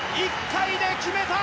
１回で決めた！